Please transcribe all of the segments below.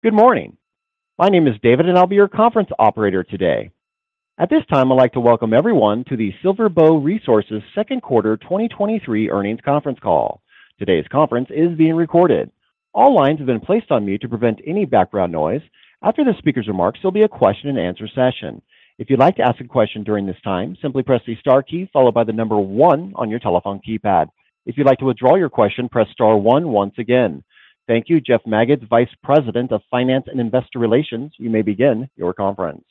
Good morning. My name is David, and I'll be your conference operator today. At this time, I'd like to welcome everyone to the SilverBow Resources second quarter 2023 earnings conference call. Today's conference is being recorded. All lines have been placed on mute to prevent any background noise. After the speaker's remarks, there'll be a question-and-answer session. If you'd like to ask a question during this time, simply press the star key followed by the 1 on your telephone keypad. If you'd like to withdraw your question, press star one once again. Thank you, Jeff Magids, Vice President of Finance and Investor Relations. You may begin your conference.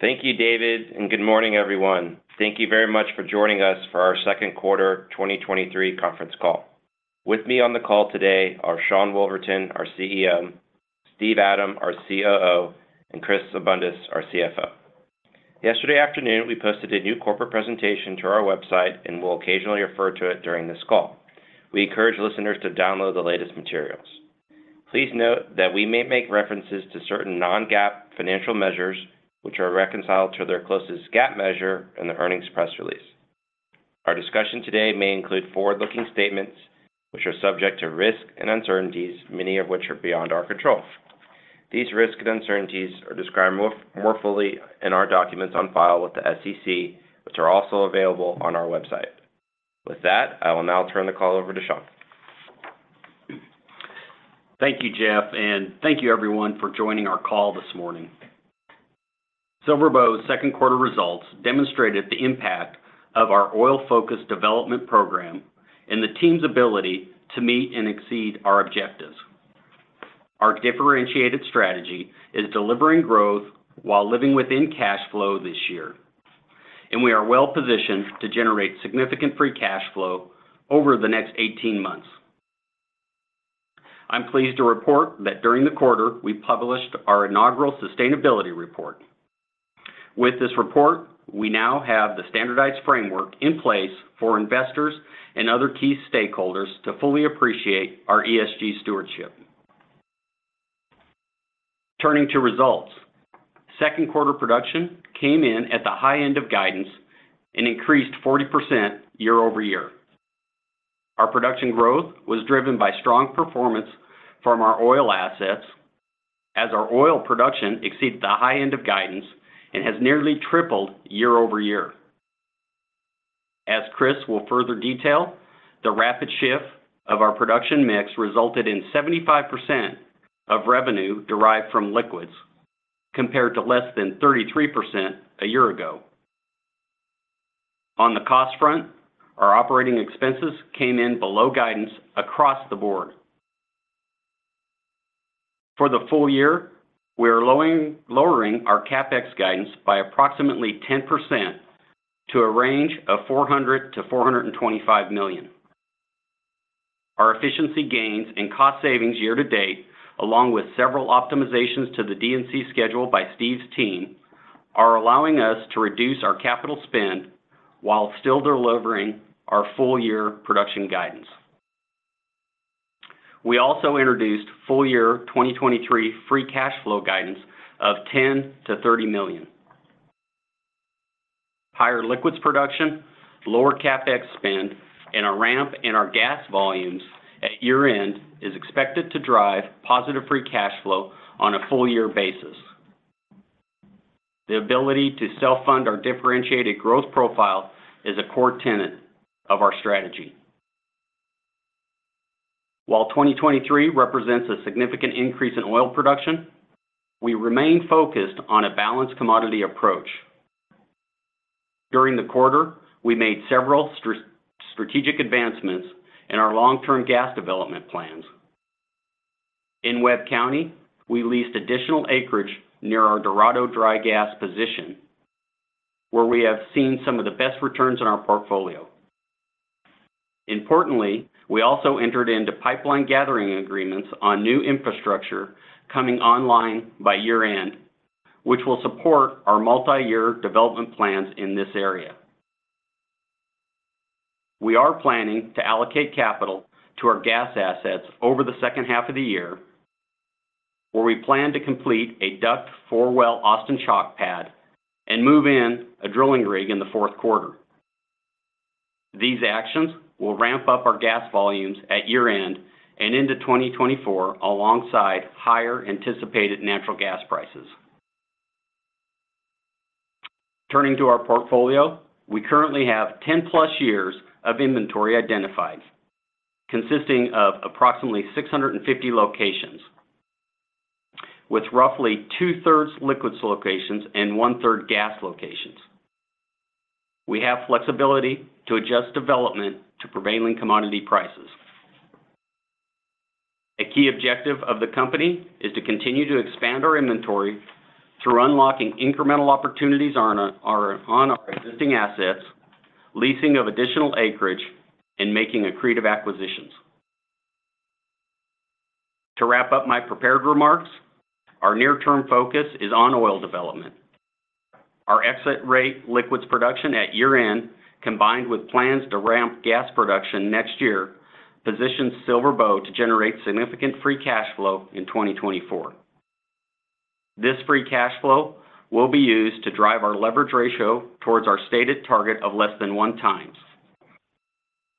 Thank you, David, and good morning, everyone. Thank you very much for joining us for our second quarter 2023 conference call. With me on the call today are Sean Woolverton, our CEO, Steve Adam, our COO, and Chris Abundis, our CFO. Yesterday afternoon, we posted a new corporate presentation to our website, and we'll occasionally refer to it during this call. We encourage listeners to download the latest materials. Please note that we may make references to certain non-GAAP financial measures, which are reconciled to their closest GAAP measure in the earnings press release. Our discussion today may include forward-looking statements, which are subject to risks and uncertainties, many of which are beyond our control. These risks and uncertainties are described more fully in our documents on file with the SEC, which are also available on our website. With that, I will now turn the call over to Sean. Thank you, Jeff. Thank you everyone for joining our call this morning. SilverBow's second quarter results demonstrated the impact of our oil-focused development program and the team's ability to meet and exceed our objectives. Our differentiated strategy is delivering growth while living within cash flow this year, and we are well positioned to generate significant free cash flow over the next 18 months. I'm pleased to report that during the quarter, we published our inaugural sustainability report. With this report, we now have the standardized framework in place for investors and other key stakeholders to fully appreciate our ESG stewardship. Turning to results. Second quarter production came in at the high end of guidance and increased 40% year-over-year. Our production growth was driven by strong performance from our oil assets, as our oil production exceeded the high end of guidance and has nearly tripled year-over-year. As Chris will further detail, the rapid shift of our production mix resulted in 75% of revenue derived from liquids, compared to less than 33% a year ago. On the cost front, our operating expenses came in below guidance across the board. For the full year, we are lowering our CapEx guidance by approximately 10% to a range of $400 million-$425 million. Our efficiency gains and cost savings year-to-date, along with several optimizations to the DNC schedule by Steve's team, are allowing us to reduce our capital spend while still delivering our full year production guidance. We also introduced full year 2023 free cash flow guidance of $10 million-$30 million. Higher liquids production, lower CapEx spend, and a ramp in our gas volumes at year-end is expected to drive positive free cash flow on a full year basis. The ability to self-fund our differentiated growth profile is a core tenet of our strategy. While 2023 represents a significant increase in oil production, we remain focused on a balanced commodity approach. During the quarter, we made several strategic advancements in our long-term gas development plans. In Webb County, we leased additional acreage near our Dorado Dry Gas position, where we have seen some of the best returns on our portfolio. Importantly, we also entered into pipeline gathering agreements on new infrastructure coming online by year-end, which will support our multi-year development plans in this area. We are planning to allocate capital to our gas assets over the second half of the year, where we plan to complete a DUC four-well Austin Chalk pad and move in a drilling rig in the fourth quarter. These actions will ramp up our gas volumes at year-end and into 2024, alongside higher anticipated natural gas prices. Turning to our portfolio, we currently have 10+ years of inventory identified, consisting of approximately 650 locations, with roughly two-thirds liquids locations and one-third gas locations. We have flexibility to adjust development to prevailing commodity prices. A key objective of the company is to continue to expand our inventory through unlocking incremental opportunities on our existing assets, leasing of additional acreage, and making accretive acquisitions. To wrap up my prepared remarks, our near-term focus is on oil development. Our exit rate liquids production at year-end, combined with plans to ramp gas production next year, positions SilverBow to generate significant free cash flow in 2024. This free cash flow will be used to drive our leverage ratio towards our stated target of less than one times.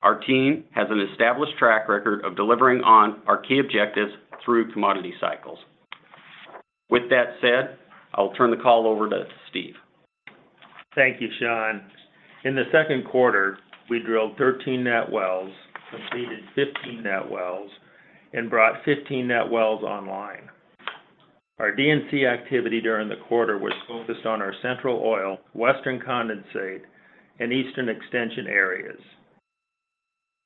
Our team has an established track record of delivering on our key objectives through commodity cycles. With that said, I'll turn the call over to Steve. Thank you, Sean. In the second quarter, we drilled 13 net wells, completed 15 net wells, and brought 15 net wells online. Our D&C activity during the quarter was focused on our Central Oil, Western Condensate, and Eastern Extension areas.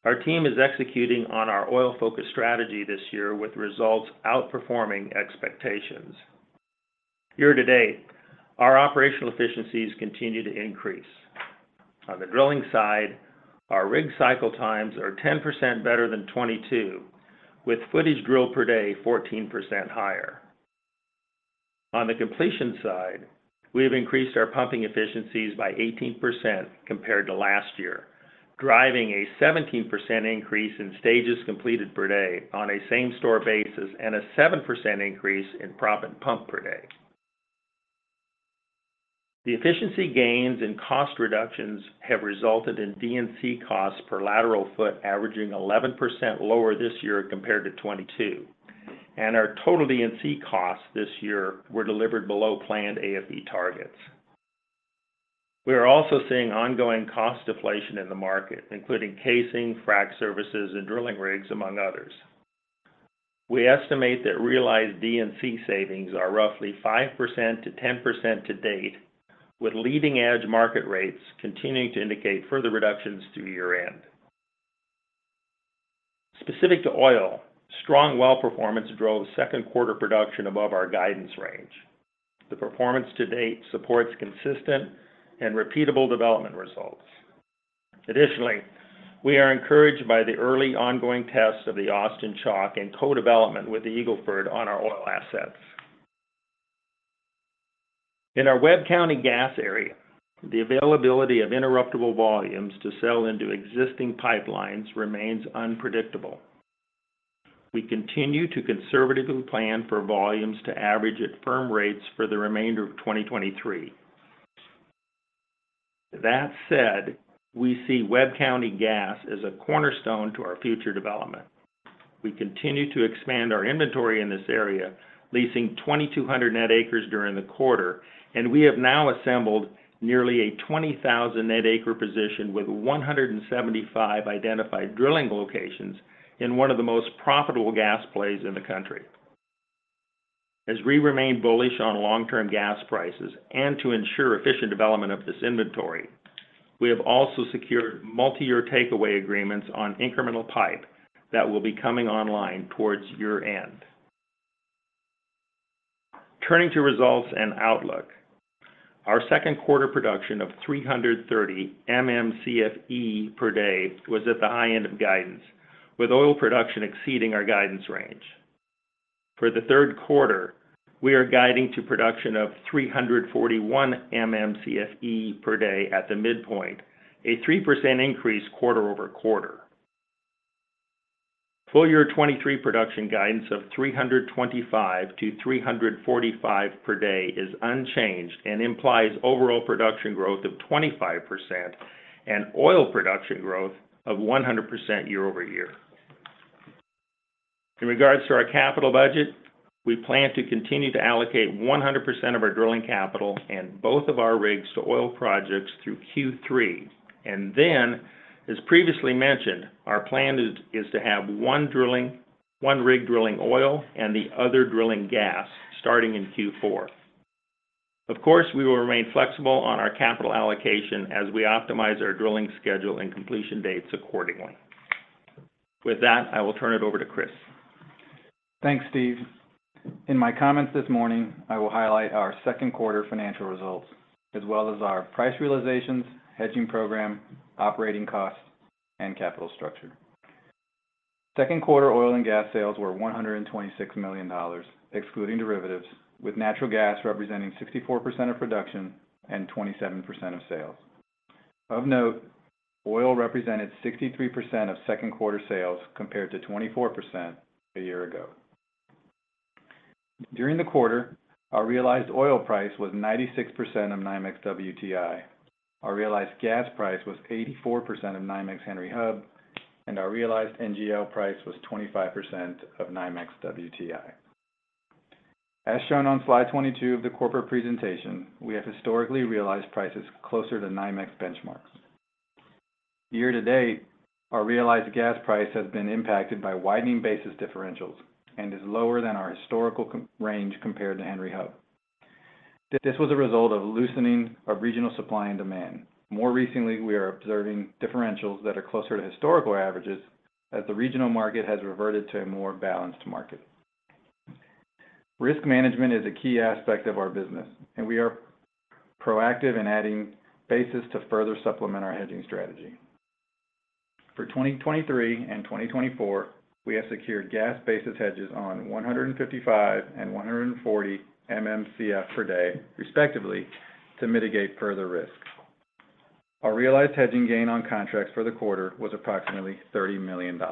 Our team is executing on our oil-focused strategy this year, with results outperforming expectations. Year to date, our operational efficiencies continue to increase. On the drilling side, our rig cycle times are 10% better than 2022, with footage drill per day 14% higher. On the completion side, we have increased our pumping efficiencies by 18% compared to last year, driving a 17% increase in stages completed per day on a same-store basis and a 7% increase in proppant pumped per day. The efficiency gains and cost reductions have resulted in D&C costs per lateral foot, averaging 11% lower this year compared to 2022, and our total D&C costs this year were delivered below planned AFE targets. We are also seeing ongoing cost deflation in the market, including casing, frack services, and drilling rigs, among others. We estimate that realized D&C savings are roughly 5%-10% to date, with leading-edge market rates continuing to indicate further reductions through year-end. Specific to oil, strong well performance drove second quarter production above our guidance range. The performance to date supports consistent and repeatable development results. Additionally, we are encouraged by the early ongoing tests of the Austin Chalk and co-development with the Eagle Ford on our oil assets. In our Webb County gas area, the availability of interruptible volumes to sell into existing pipelines remains unpredictable. We continue to conservatively plan for volumes to average at firm rates for the remainder of 2023. That said, we see Webb County gas as a cornerstone to our future development. We continue to expand our inventory in this area, leasing 2,200 net acres during the quarter, and we have now assembled nearly a 20,000 net acre position with 175 identified drilling locations in one of the most profitable gas plays in the country. As we remain bullish on long-term gas prices and to ensure efficient development of this inventory, we have also secured multi-year takeaway agreements on incremental pipe that will be coming online towards year-end. Turning to results and outlook. Our second quarter production of 330 MMCFE per day was at the high end of guidance, with oil production exceeding our guidance range. For the third quarter, we are guiding to production of 341 MMCFE per day at the midpoint, a 3% increase quarter-over-quarter. Full year 2023 production guidance of 325-345 per day is unchanged and implies overall production growth of 25% and oil production growth of 100% year-over-year. In regards to our capital budget, we plan to continue to allocate 100% of our drilling capital and both of our rigs to oil projects through Q3. Then, as previously mentioned, our plan is to have one rig drilling oil and the other drilling gas starting in Q4. Of course, we will remain flexible on our capital allocation as we optimize our drilling schedule and completion dates accordingly. With that, I will turn it over to Chris. Thanks, Steve. In my comments this morning, I will highlight our second quarter financial results, as well as our price realizations, hedging program, operating costs, and capital structure. Second quarter oil and gas sales were $126 million, excluding derivatives, with natural gas representing 64% of production and 27% of sales. Of note, oil represented 63% of second quarter sales, compared to 24% a year ago. During the quarter, our realized oil price was 96% of NYMEX WTI. Our realized gas price was 84% of NYMEX Henry Hub, and our realized NGL price was 25% of NYMEX WTI. As shown on slide 22 of the corporate presentation, we have historically realized prices closer to NYMEX benchmarks. Year to date, our realized gas price has been impacted by widening basis differentials and is lower than our historical range compared to Henry Hub. This was a result of loosening of regional supply and demand. More recently, we are observing differentials that are closer to historical averages, as the regional market has reverted to a more balanced market. Risk management is a key aspect of our business, and we are proactive in adding basis to further supplement our hedging strategy. For 2023 and 2024, we have secured gas basis hedges on 155 and 140 MMcf per day, respectively, to mitigate further risk. Our realized hedging gain on contracts for the quarter was approximately $30 million.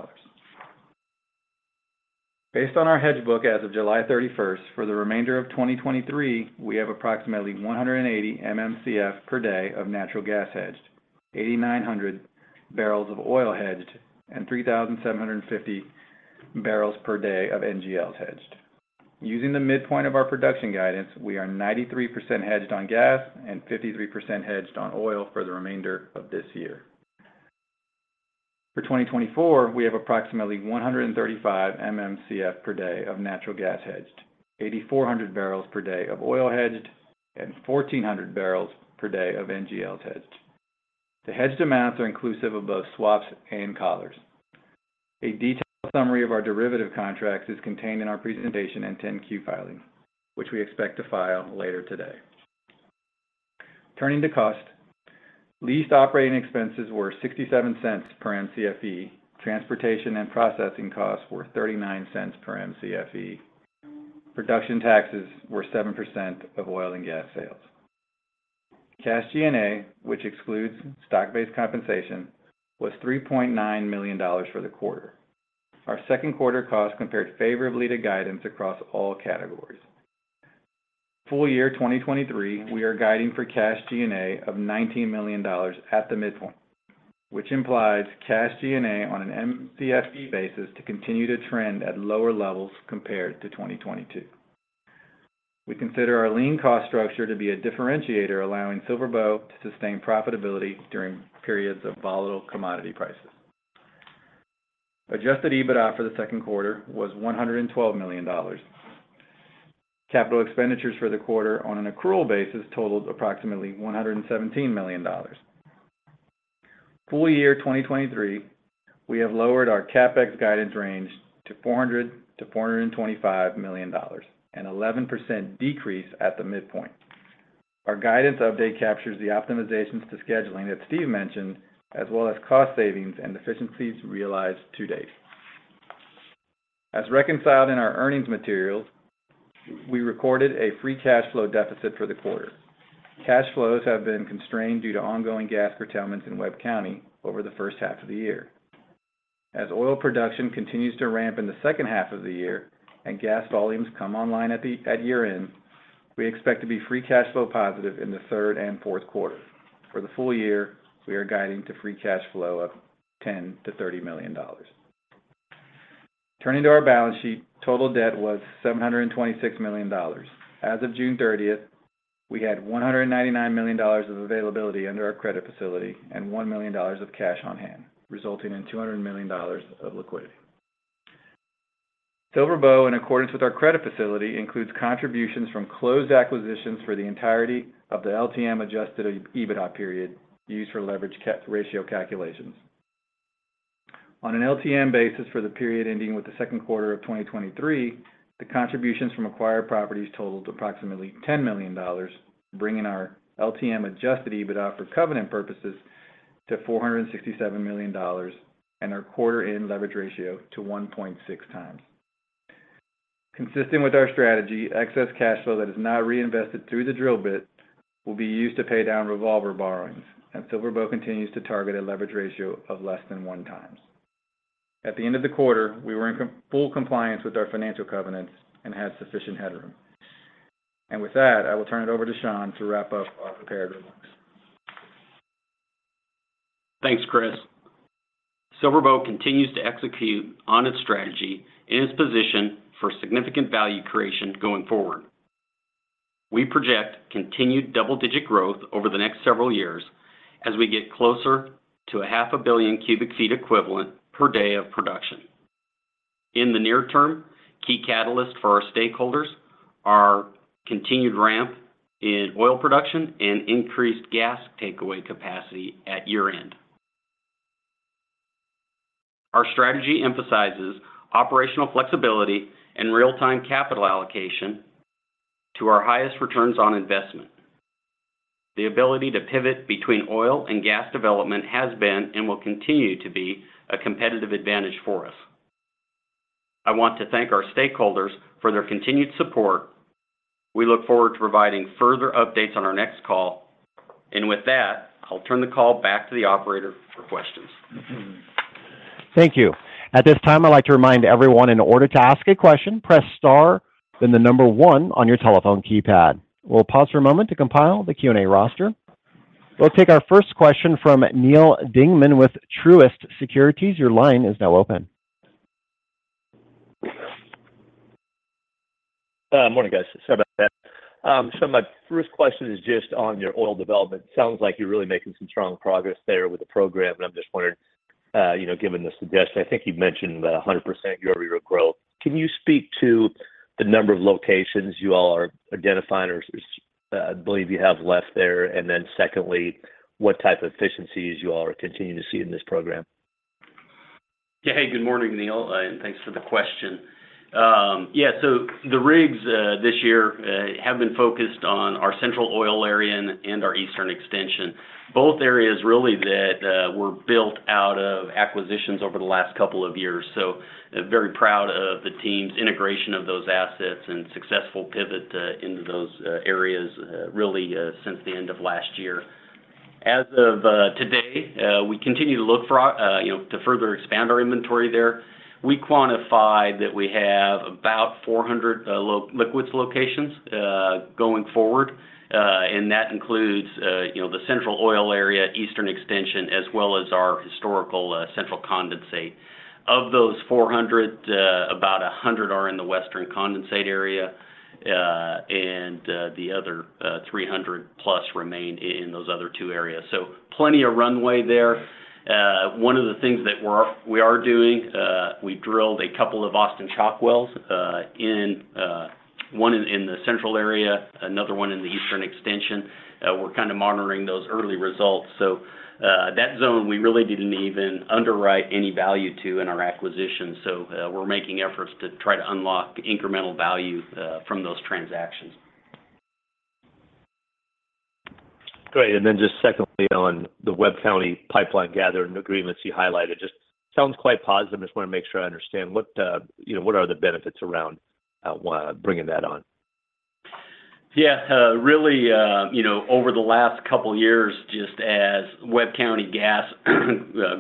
Based on our hedge book as of July 31st, for the remainder of 2023, we have approximately 180 MMcf per day of natural gas hedged, 8,900 barrels of oil hedged, and 3,750 barrels per day of NGLs hedged. Using the midpoint of our production guidance, we are 93% hedged on gas and 53% hedged on oil for the remainder of this year. For 2024, we have approximately 135 MMcf per day of natural gas hedged, 8,400 barrels per day of oil hedged, and 1,400 barrels per day of NGLs hedged. The hedged amounts are inclusive of both swaps and collars. A detailed summary of our derivative contracts is contained in our presentation and 10-Q filing, which we expect to file later today. Turning to cost, leased operating expenses were $0.67 per Mcfe. Transportation and processing costs were $0.39 per Mcfe. Production taxes were 7% of oil and gas sales. Cash G&A, which excludes stock-based compensation, was $3.9 million for the quarter. Our second quarter cost compared favorably to guidance across all categories. Full year 2023, we are guiding for Cash G&A of $19 million at the midpoint, which implies Cash G&A on an Mcfe basis to continue to trend at lower levels compared to 2022. We consider our lean cost structure to be a differentiator, allowing SilverBow to sustain profitability during periods of volatile commodity prices. Adjusted EBITDA for the second quarter was $112 million. Capital expenditures for the quarter on an accrual basis totaled approximately $117 million. Full year 2023, we have lowered our CapEx guidance range to $400 million-$425 million, an 11% decrease at the midpoint. Our guidance update captures the optimizations to scheduling that Steve mentioned, as well as cost savings and efficiencies realized to date. As reconciled in our earnings materials, we recorded a free cash flow deficit for the quarter. Cash flows have been constrained due to ongoing gas curtailments in Webb County over the first half of the year. As oil production continues to ramp in the second half of the year and gas volumes come online at year-end, we expect to be free cash flow positive in the third and fourth quarter. For the full year, we are guiding to free cash flow of $10 million-$30 million. Turning to our balance sheet, total debt was $726 million. As of June 30th, we had $199 million of availability under our credit facility and $1 million of cash on hand, resulting in $200 million of liquidity. SilverBow, in accordance with our credit facility, includes contributions from closed acquisitions for the entirety of the LTM Adjusted EBITDA period used for leverage ratio calculations. On an LTM basis for the period ending with the second quarter of 2023, the contributions from acquired properties totaled approximately $10 million, bringing our LTM Adjusted EBITDA for covenant purposes to $467 million, and our quarter-end leverage ratio to 1.6 times. Consistent with our strategy, excess cash flow that is not reinvested through the drill bit will be used to pay down revolver borrowings, and SilverBow continues to target a leverage ratio of less than 1 time. At the end of the quarter, we were in full compliance with our financial covenants and had sufficient headroom. With that, I will turn it over to Sean to wrap up our prepared remarks. Thanks, Chris. SilverBow continues to execute on its strategy and is positioned for significant value creation going forward. We project continued double-digit growth over the next several years as we get closer to a half a billion cubic feet equivalent per day of production. In the near term, key catalysts for our stakeholders are continued ramp in oil production and increased gas takeaway capacity at year-end. Our strategy emphasizes operational flexibility and real-time capital allocation to our highest returns on investment. The ability to pivot between oil and gas development has been, and will continue to be, a competitive advantage for us. I want to thank our stakeholders for their continued support. We look forward to providing further updates on our next call. With that, I'll turn the call back to the operator for questions. Thank you. At this time, I'd like to remind everyone, in order to ask a question, press star, then the number one on your telephone keypad. We'll pause for a moment to compile the Q&A roster. We'll take our first question from Neal Dingmann with Truist Securities. Your line is now open. Morning, guys. Sorry about that. My first question is just on your oil development. Sounds like you're really making some strong progress there with the program, and I'm just wondering, you know, given the suggestion, I think you've mentioned the 100% year-over-year growth. Can you speak to the number of locations you all are identifying or I believe you have left there? Secondly, what type of efficiencies you all are continuing to see in this program? Yeah. Hey, good morning, Neal, and thanks for the question. Yeah, so the rigs this year have been focused on our Central Oil Area and our Eastern Extension. Both areas, really, that were built out of acquisitions over the last couple of years, so very proud of the team's integration of those assets and successful pivot into those areas, really, since the end of last year. As of today, we continue to look for, you know, to further expand our inventory there. We quantified that we have about 400 liquids locations going forward, and that includes, you know, the Central Oil Area, Eastern Extension, as well as our historical Central Condensate. Of those 400, about 100 are in the Western Condensate area, and the other 300+ remain in those other two areas. Plenty of runway there. One of the things that we are doing, we drilled a couple of Austin Chalk wells, in one in, in the Central area, another one in the Eastern Extension. We're kind of monitoring those early results. That zone, we really didn't even underwrite any value to in our acquisition, so we're making efforts to try to unlock incremental value from those transactions. Great. Just secondly, on the Webb County Pipeline Gathering agreements you highlighted, just sounds quite positive. I just wanna make sure I understand, what, you know, what are the benefits around bringing that on? Yeah. Really, you know, over the last couple of years, just as Webb County gas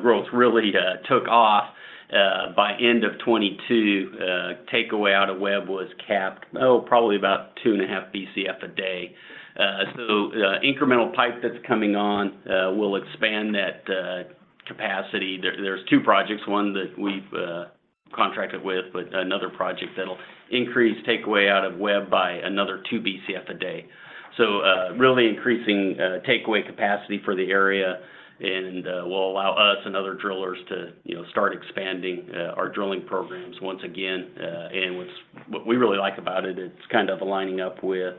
growth really took off, by end of 2022, takeaway out of Webb was capped, probably about 2.5 Bcf a day. Incremental pipe that's coming on will expand that capacity. There, there's two projects, one that we've contracted with, but another project that'll increase takeaway out of Webb by another 2 Bcf a day. Really increasing takeaway capacity for the area and will allow us and other drillers to, you know, start expanding our drilling programs once again, and what we really like about it, it's kind of aligning up with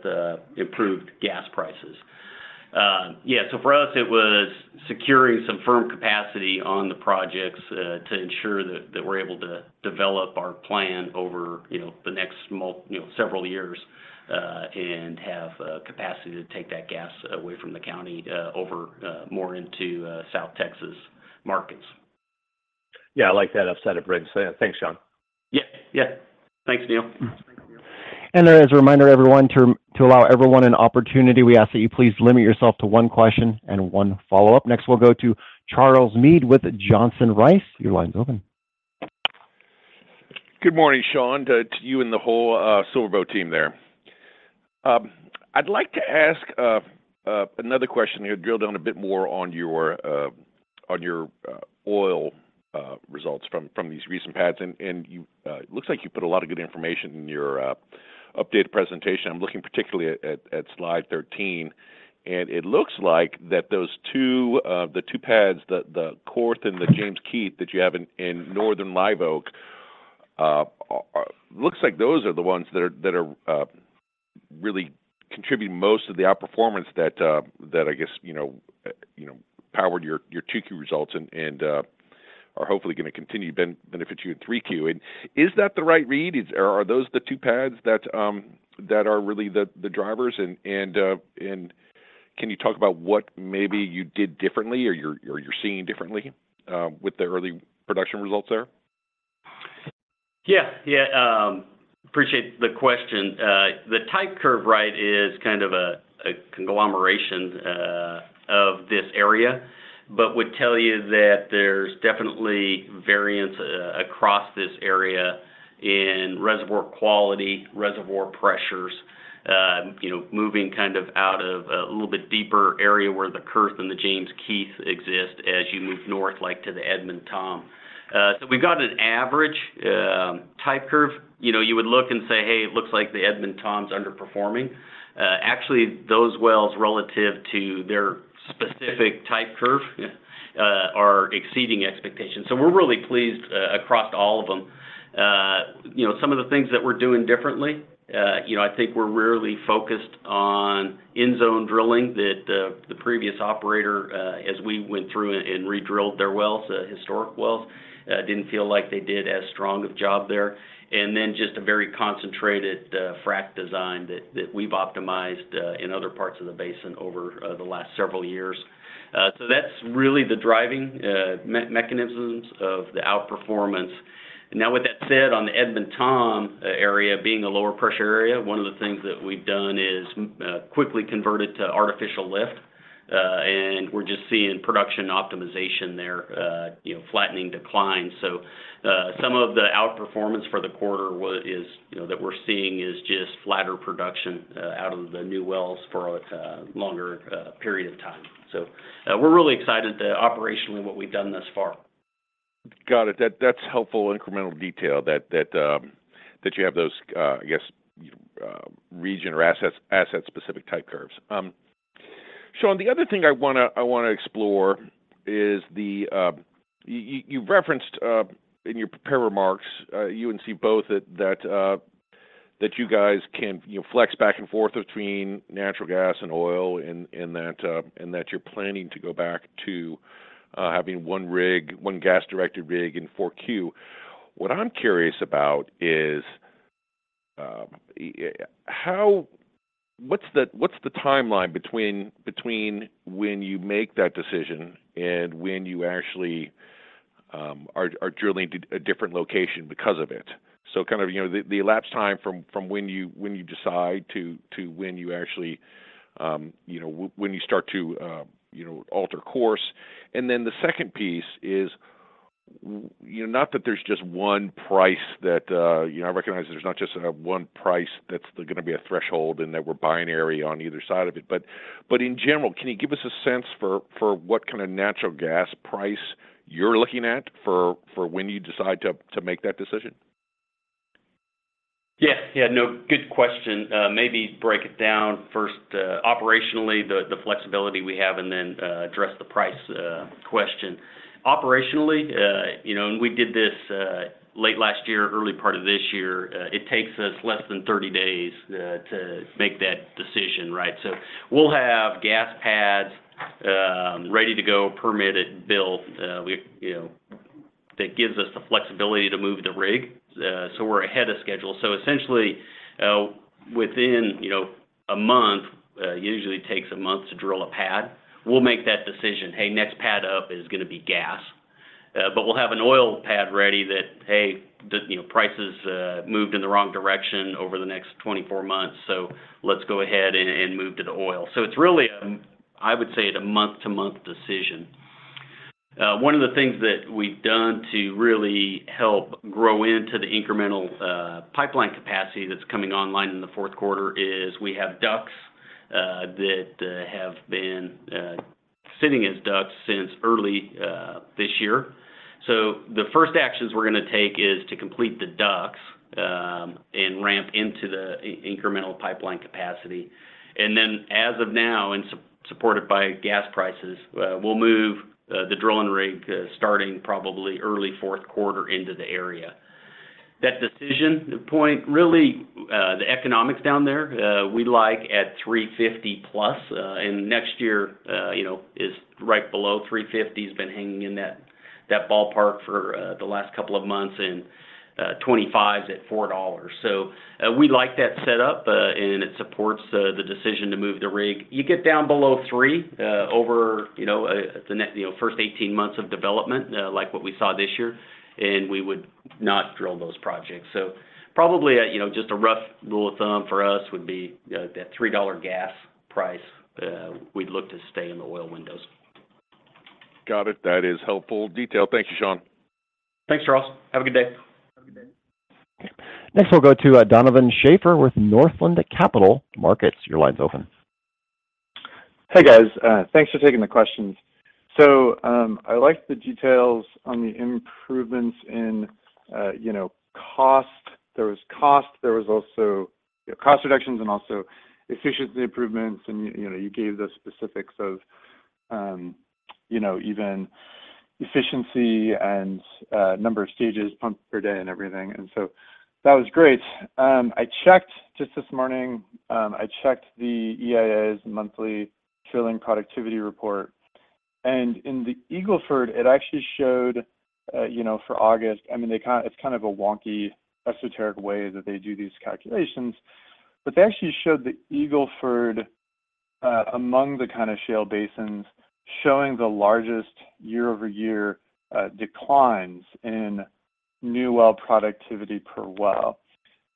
improved gas prices. Yeah, for us, it was securing some firm capacity on the projects, to ensure that we're able to develop our plan over, you know, the next you know, several years, and have capacity to take that gas away from the county, over, more into South Texas markets. Yeah, I like that upside of rig. Thanks, Sean. Yeah. Yeah. Thanks, Neal. As a reminder, everyone, to allow everyone an opportunity, we ask that you please limit yourself to one question and one follow-up. Next, we'll go to Charles Meade with Johnson Rice. Your line's open. Good morning, Sean, to, to you and the whole SilverBow team there. I'd like to ask another question here, drill down a bit more on your on your oil results from from these recent pads. It looks like you put a lot of good information in your updated presentation. I'm looking particularly at at at slide 13, it looks like that those two, the two pads, the Kurth and the James Keith, that you have in in Northern Live Oak, looks like those are the ones that are that are really contributing most of the outperformance that that I guess, you know, you know, powered your your 2Q results and are hopefully gonna continue benefit you in 3Q. Is that the right read? Are, are those the two pads that, that are really the, the drivers? And can you talk about what maybe you did differently or you're, or you're seeing differently, with the early production results there? Yeah. Yeah, appreciate the question. The type curve, right, is kind of a, a conglomeration of this area, but would tell you that there's definitely variance across this area in reservoir quality, reservoir pressures, you know, moving kind of out of a little bit deeper area where the Kurth and the James Keith exist as you move north, like to the Edmond Tom. We've got an average type curve. You know, you would look and say, "Hey, it looks like the Edmond Tom's underperforming." Actually, those wells, relative to their specific type curve, are exceeding expectations. We're really pleased across all of them. You know, some of the things that we're doing differently, you know, I think we're really focused on end zone drilling that the previous operator, as we went through and, and redrilled their wells, the historic wells, didn't feel like they did as strong of a job there. Just a very concentrated, frack design that, that we've optimized, in other parts of the basin over the last several years. That's really the driving mechanisms of the outperformance. Now, with that said, on the Edmond Tom area being a lower pressure area, one of the things that we've done is quickly convert it to artificial lift, and we're just seeing production optimization there, you know, flattening decline. Some of the outperformance for the quarter is, you know, that we're seeing is just flatter production out of the new wells for a longer period of time. We're really excited operationally, what we've done thus far. Got it. That, that's helpful incremental detail that, that, that you have those, I guess, region or assets, asset-specific type curves. Sean, the other thing I wanna, I wanna explore is the. You, you referenced, in your prepared remarks, you and Steve both, that, that, that you guys can, you know, flex back and forth between natural gas and oil, and, and that, and that you're planning to go back to, having 1 rig, 1 gas-directed rig in 4Q. What I'm curious about is, what's the, what's the timeline between, between when you make that decision and when you actually are, are drilling into a different location because of it. kind of, you know, the, the elapsed time from, from when you, when you decide to, to when you actually, you know, when you start to, you know, alter course. Then the second piece is, you know, not that there's just one price that... You know, I recognize there's not just one price that's gonna be a threshold, and that we're binary on either side of it. But in general, can you give us a sense for, for what kind of natural gas price you're looking at, for, for when you decide to, to make that decision? Yeah. Yeah, no, good question. maybe break it down first, operationally, the, the flexibility we have, and then, address the price, question. Operationally, you know, and we did this, late last year, early part of this year, it takes us less than 30 days, to make that decision, right? We'll have gas pads, ready to go, permitted, built, we, you know, that gives us the flexibility to move the rig, so we're ahead of schedule. Essentially, within, you know, a month, usually takes a month to drill a pad, we'll make that decision: "Hey, next pad up is gonna be gas." We'll have an oil pad ready that, "Hey, the, you know, price has moved in the wrong direction over the next 24 months, so let's go ahead and, and move to the oil." It's really, I would say, at a month-to-month decision. One of the things that we've done to really help grow into the incremental pipeline capacity that's coming online in the fourth quarter is, we have DUCs that have been sitting as DUCs since early this year. The first actions we're gonna take is to complete the DUCs and ramp into the incremental pipeline capacity. Then, as of now, supported by gas prices, we'll move the drilling rig, starting probably early fourth quarter into the area. That decision point, really, the economics down there, we like at $3.50+, and next year, you know, is right below $3.50. It's been hanging in that, that ballpark for the last couple of months, and 2025 is at $4. We like that setup, and it supports the decision to move the rig. You get down below $3 over, you know, first 18 months of development, like what we saw this year, and we would not drill those projects. Probably, you know, just a rough rule of thumb for us would be, that $3 gas price, we'd look to stay in the oil windows. Got it. That is helpful detail. Thank you, Sean. Thanks, Charles. Have a good day. Next, we'll go to Donovan Schafer with Northland Capital Markets. Your line's open. Hi, guys. Thanks for taking the questions. I liked the details on the improvements in, you know, cost. There was cost, there was also, you know, cost reductions and also efficiency improvements, and you know, you gave the specifics of, you know, even efficiency and number of stages, pumps per day, and everything, and so that was great. I checked, just this morning, I checked the EIA's monthly drilling productivity report, and in the Eagle Ford, it actually showed, you know, for August. I mean, it's kind of a wonky, esoteric way that they do these calculations. They actually showed the Eagle Ford, among the kind of shale basins, showing the largest year-over-year declines in new well productivity per well.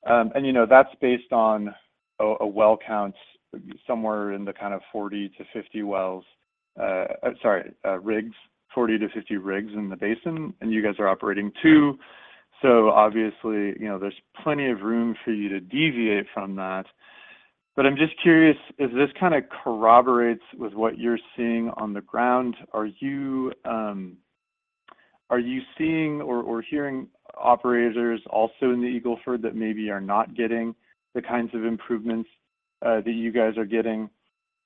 You know, that's based on a, a well count somewhere in the kind of 40-50 wells, sorry, rigs, 40-50 rigs in the basin, and you guys are operating two, so obviously, you know, there's plenty of room for you to deviate from that. I'm just curious, if this kind of corroborates with what you're seeing on the ground, are you, are you seeing or, or hearing operators also in the Eagle Ford that maybe are not getting the kinds of improvements, that you guys are getting?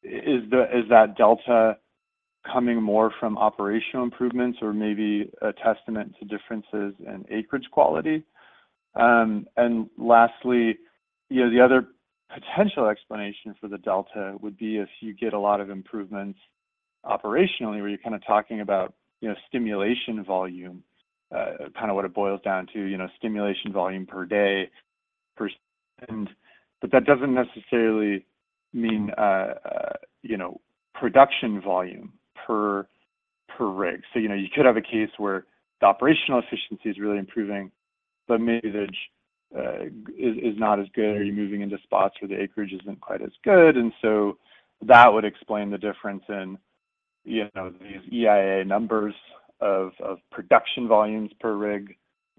Is the, is that delta coming more from operational improvements or maybe a testament to differences in acreage quality? Lastly, you know, the other potential explanation for the delta would be if you get a lot of improvements operationally, where you're kind of talking about, you know, stimulation volume, kind of what it boils down to, you know, stimulation volume per day, per... But that doesn't necessarily mean, you know, production volume per, per rig. You know, you could have a case where the operational efficiency is really improving, but maybe the is not as good, or you're moving into spots where the acreage isn't quite as good, and so that would explain the difference in, you know, these EIA numbers of, of production volumes per rig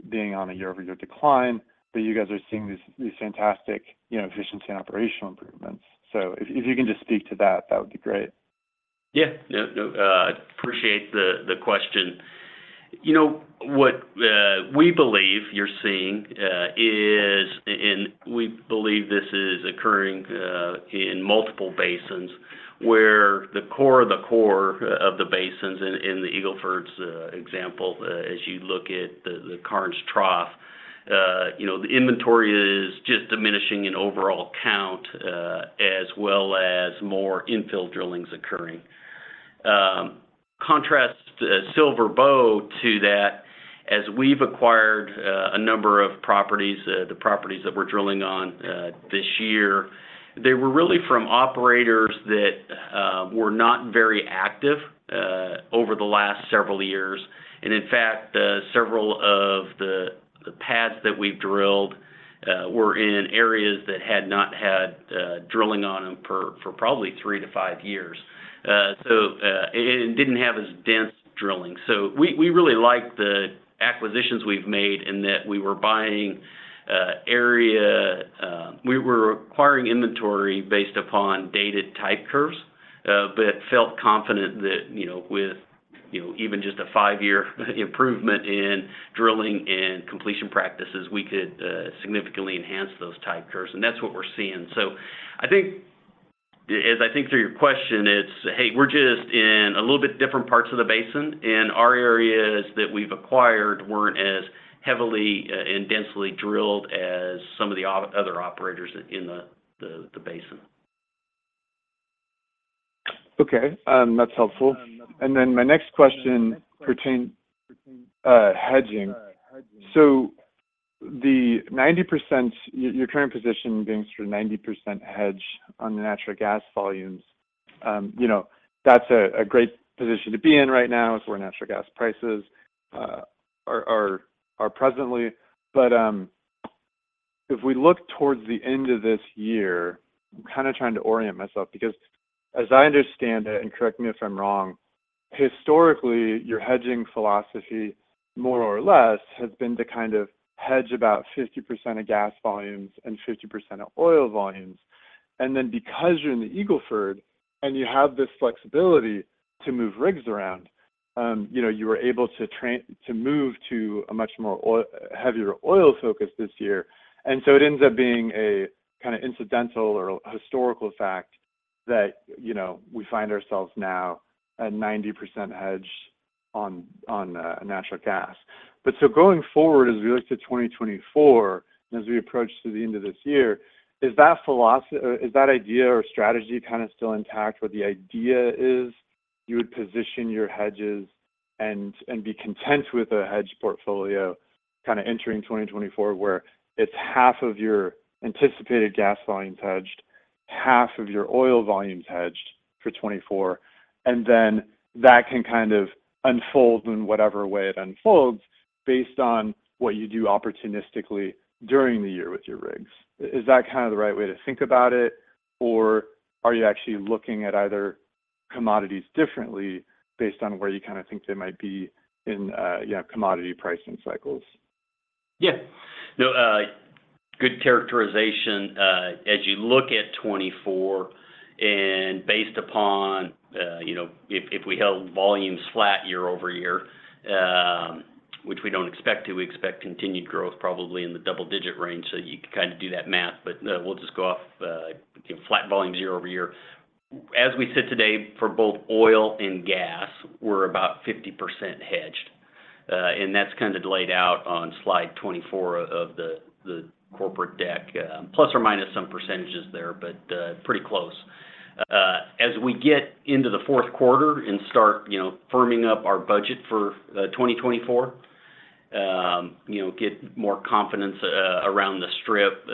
being on a year-over-year decline, but you guys are seeing these, these fantastic, you know, efficiency and operational improvements. If, if you can just speak to that, that would be great. Yeah. Yeah, no, appreciate the question. You know, what we believe you're seeing is, and we believe this is occurring in multiple basins, where the core of the core of the basins in the Eagle Ford's example, as you look at the Karnes Trough, you know, the inventory is just diminishing in overall count, as well as more infill drillings occurring. Contrast SilverBow to that, as we've acquired a number of properties, the properties that we're drilling on this year. They were really from operators that were not very active over the last several years. And in fact, several of the pads that we've drilled were in areas that had not had drilling on them for probably 3 to 5 years. And it didn't have as dense drilling. We, we really like the acquisitions we've made in that we were buying area. We were acquiring inventory based upon dated type curves, but felt confident that, you know, with, you know, even just a 5-year improvement in drilling and completion practices, we could significantly enhance those type curves, and that's what we're seeing. I think, as I think through your question, it's, hey, we're just in a little bit different parts of the basin, and our areas that we've acquired weren't as heavily and densely drilled as some of the other operators in the, the, the basin. Okay, that's helpful. My next question pertains hedging. The 90%, your, your current position being for a 90% hedge on the natural gas volumes, you know, that's a, a great position to be in right now as where natural gas prices are, are, are presently. If we look towards the end of this year, I'm kind of trying to orient myself, because as I understand it, and correct me if I'm wrong, historically, your hedging philosophy, more or less, has been to kind of hedge about 50% of gas volumes and 50% of oil volumes. Because you're in the Eagle Ford and you have this flexibility to move rigs around, you know, you were able to move to a much more oil, heavier oil focus this year. It ends up being a kind of incidental or historical fact that, you know, we find ourselves now at 90% hedged on, on natural gas. Going forward, as we look to 2024 and as we approach to the end of this year, is that idea or strategy kind of still intact, where the idea is you would position your hedges and, and be content with a hedge portfolio kind of entering 2024, where it's half of your anticipated gas volumes hedged, half of your oil volumes hedged for 2024, and then that can kind of unfold in whatever way it unfolds based on what you do opportunistically during the year with your rigs? Is that kind of the right way to think about it, or are you actually looking at either commodities differently based on where you think they might be in, you know, commodity pricing cycles? Yeah. No, good characterization. As you look at 2024, based upon, you know, if, if we held volumes flat year-over-year, which we don't expect to, we expect continued growth, probably in the double-digit range. You can kind of do that math, we'll just go off, you know, flat volumes year-over-year. As we sit today, for both oil and gas, we're about 50% hedged, and that's kind of laid out on slide 24 of the, the corporate deck, plus or minus some percentages there, pretty close. As we get into the fourth quarter and start, you know, firming up our budget for 2024, you know, get more confidence around the strip,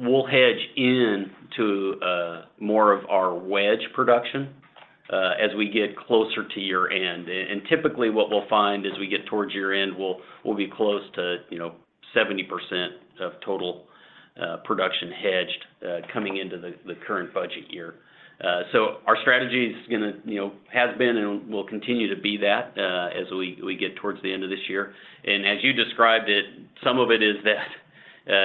we'll hedge in to more of our wedge production as we get closer to year-end. Typically, what we'll find as we get towards year-end, we'll, we'll be close to, you know, 70% of total production hedged coming into the current budget year. Our strategy is gonna, you know, has been and will continue to be that as we, we get towards the end of this year. As you described it, some of it is that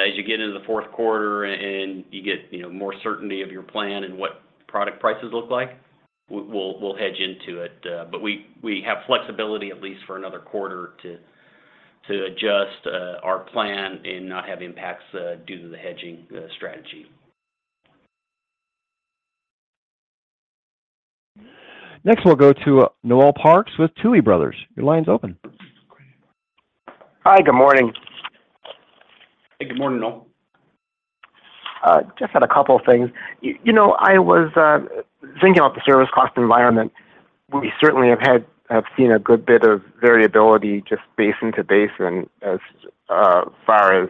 as you get into the fourth quarter and you get, you know, more certainty of your plan and what product prices look like, we'll, we'll hedge into it. We, we have flexibility at least for another quarter to, to adjust our plan and not have impacts due to the hedging strategy. Next, we'll go to Noel Parks with Tuohy Brothers. Your line's open. Hi, good morning. Hey, good morning, Noel. Just had a couple of things. You know, I was thinking about the service cost environment. We certainly have seen a good bit of variability just basin to basin, as far as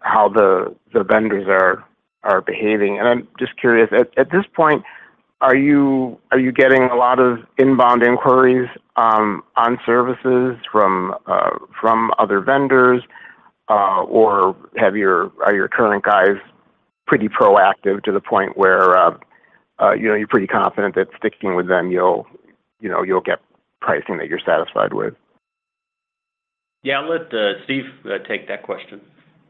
how the, the vendors are, are behaving. And I'm just curious, at, at this point, are you, are you getting a lot of inbound inquiries on services from from other vendors? Or are your current guys pretty proactive to the point where, you know, you're pretty confident that sticking with them, you'll, you know, you'll get pricing that you're satisfied with? Yeah, I'll let Steve take that question.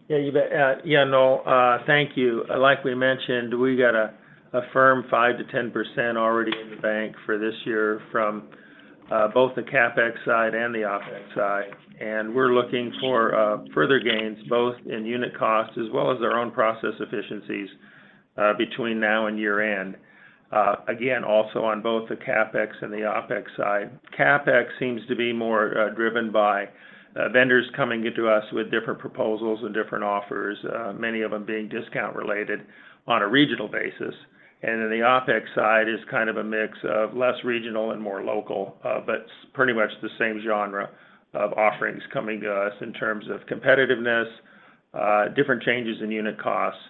Yeah, you bet. Yeah, Noel, thank you. Like we mentioned, we got a firm 5%-10% already in the bank for this year from both the CapEx side and the OpEx side. We're looking for further gains, both in unit costs as well as our own process efficiencies, between now and year-end. Again, also on both the CapEx and the OpEx side. CapEx seems to be more driven by vendors coming into us with different proposals and different offers, many of them being discount-related on a regional basis. Then the OpEx side is kind of a mix of less regional and more local, but pretty much the same genre of offerings coming to us in terms of competitiveness, different changes in unit costs,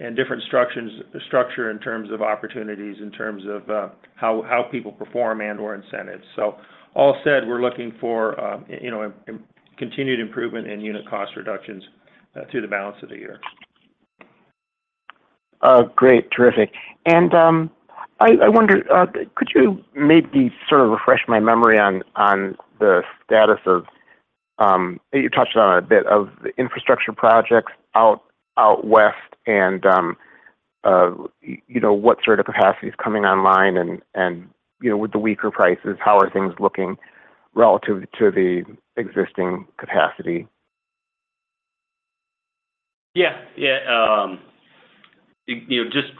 and different structures in terms of opportunities, in terms of, how, how people perform and/or incentives. All said, we're looking for, you know, continued improvement in unit cost reductions, through the balance of the year. Great. Terrific. I, I wonder, could you maybe sort of refresh my memory on, on the status of, you touched on it a bit, of the infrastructure projects out, out West and, you know, what sort of capacity is coming online and, and, you know, with the weaker prices, how are things looking relative to the existing capacity? Yeah. Yeah, you know, just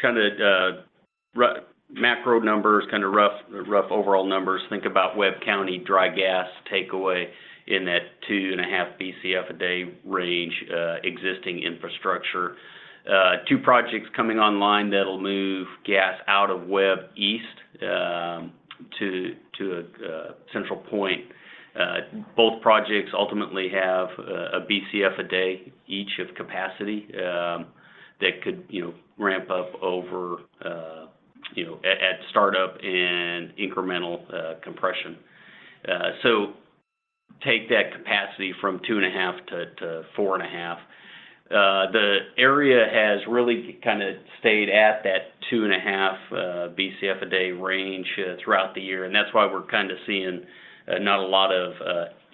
kind of macro numbers, kind of rough, rough overall numbers, think about Webb County dry gas takeaway in that 2.5 Bcf a day range, existing infrastructure. Two projects coming online that'll move gas out of Webb East, to a central point. Both projects ultimately have a 1 Bcf a day each of capacity, that could, you know, ramp up over, you know, at startup and incremental compression. Take that capacity from 2.5 to 4.5. The area has really kind of stayed at that 2.5 Bcf a day range throughout the year, that's why we're kind of seeing not a lot of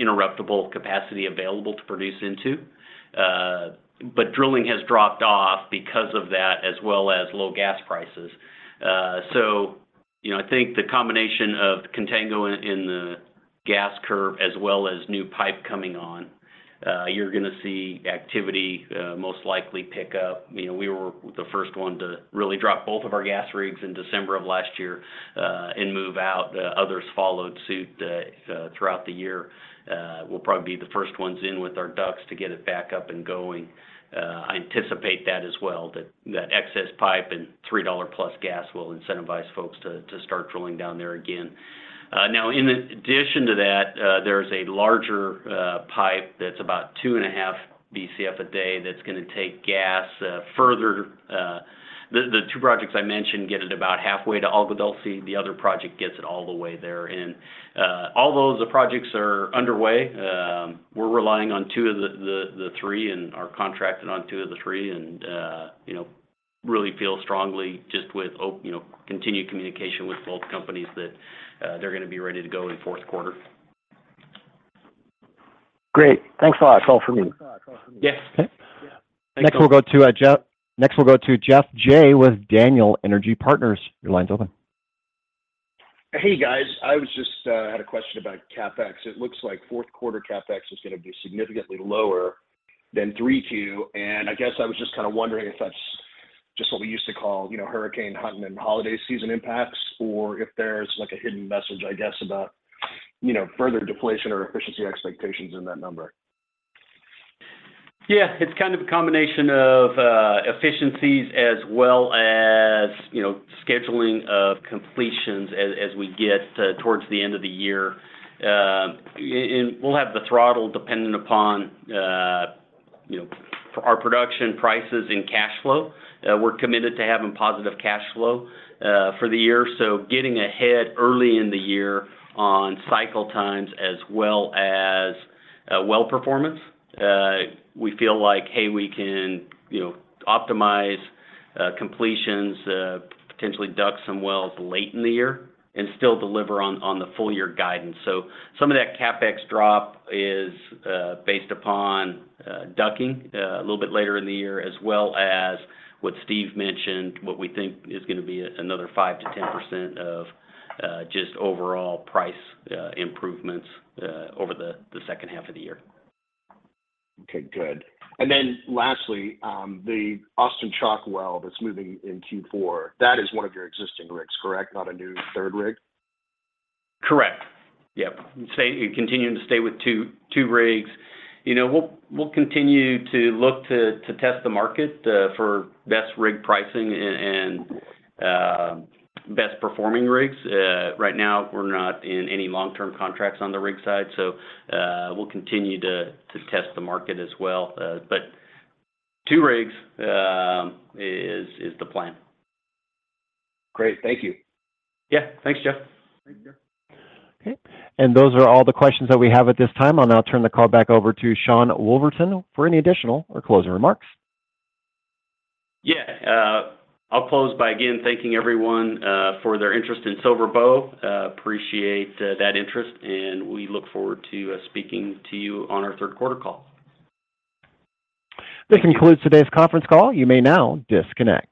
interruptible capacity available to produce into. Drilling has dropped off because of that, as well as low gas prices. You know, I think the combination of contango in, in the gas curve, as well as new pipe coming on, you're gonna see activity most likely pick up. You know, we were the first one to really drop both of our gas rigs in December of last year and move out. Others followed suit throughout the year. We'll probably be the first ones in with our DUCs to get it back up and going. I anticipate that as well, that, that excess pipe and $3 plus gas will incentivize folks to, to start drilling down there again. In addition to that, there is a larger pipe that's about 2.5 Bcf a day that's gonna take gas further... The, the two projects I mentioned get it about halfway to Agua Dulce. The other project gets it all the way there. Although the projects are underway, we're relying on two of the three and are contracted on two of the three, you know, really feel strongly just with you know, continued communication with both companies that they're gonna be ready to go in fourth quarter. Great. Thanks a lot. That's all for me. Yes. Okay. Next, we'll go to Jeff Jay with Daniel Energy Partners. Your line's open. Hey, guys. I was just had a question about CapEx. It looks like fourth quarter CapEx is gonna be significantly lower than 3Q. I guess I was just kind of wondering if that's just what we used to call, you know, hurricane hunting and holiday season impacts, or if there's, like, a hidden message, I guess, about, you know, further deflation or efficiency expectations in that number? Yeah, it's kind of a combination of efficiencies as well as, you know, scheduling of completions as, as we get towards the end of the year. We'll have the throttle dependent upon, you know, our production prices and cash flow. We're committed to having positive cash flow for the year, so getting ahead early in the year on cycle times as well as well performance, we feel like, hey, we can, you know, optimize completions, potentially duck some wells late in the year and still deliver on, on the full year guidance. Some of that CapEx drop is based upon ducking a little bit later in the year, as well as what Steve mentioned, what we think is gonna be another 5%-10% of just overall price improvements over the second half of the year. Okay, good. And then lastly, the Austin Chalk well that's moving in Q4, that is one of your existing rigs, correct? Not a new third rig? Correct. Yep. continuing to stay with 2, 2 rigs. You know, we'll, we'll continue to look to, to test the market for best rig pricing and, and, best performing rigs. Right now, we're not in any long-term contracts on the rig side, so, we'll continue to, to test the market as well. 2 rigs, is, is the plan. Great. Thank you. Yeah. Thanks, Jeff. Thank you. Okay. Those are all the questions that we have at this time. I'll now turn the call back over to Sean Woolverton for any additional or closing remarks. Yeah. I'll close by again thanking everyone, for their interest in SilverBow. Appreciate that interest, and we look forward to speaking to you on our third quarter call. This concludes today's conference call. You may now disconnect.